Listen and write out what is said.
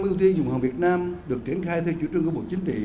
ưu tiên dùng hàng việt nam được triển khai theo chủ trương của bộ chính trị